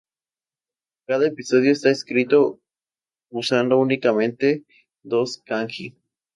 Cada episodio está escrito usando únicamente dos kanji